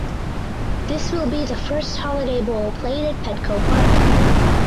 This will be the first Holiday Bowl played at Petco Park.